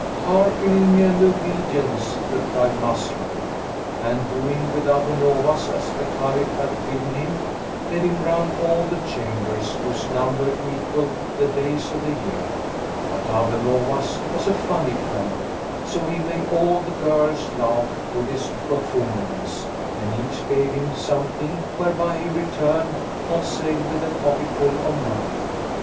"Hearkening and obedience," replied Masrur and, doing with Abu Nowas as the Caliph had bidden him, led him round all the chambers whose number equalled the days of the year; but Abu Nowas was a funny fellow, so he made all the girls laugh with his buffooneries and each gave him something whereby he returned not save with a pocketful of money.